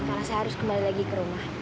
karena saya harus kembali lagi ke rumah